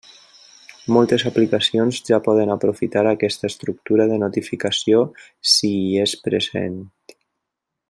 Moltes aplicacions ja poden aprofitar aquesta estructura de notificació si hi és present.